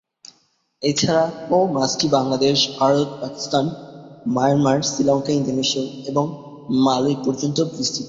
এছাড়াও মাছটি Bangladesh, Bharat, Pakistan, Myanmar, Sri Lanka, Indonesia এবং মালয় পর্যন্ত বিস্তৃত।